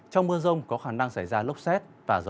trong mưa rông có khả năng xảy ra lốc xét